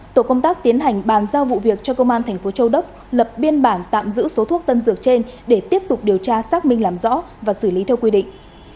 tổ công tác tiến hành bàn giao vụ việc cho công an thành phố châu đốc lập biên bản tạm giữ số thuốc tân dược trên để tiếp tục điều tra xác minh làm rõ và xử lý theo quy định